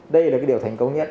đây là cái điều thành công nhất